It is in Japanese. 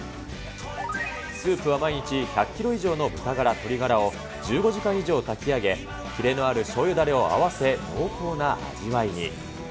スープは毎日１００キロ以上の豚ガラ、鶏ガラを１５時間以上炊き上げ、キレのあるしょうゆだれを合わせ濃厚な味わいに。